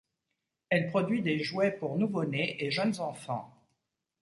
Elle produit des jouets pour nouveaux-nés et jeunes enfants.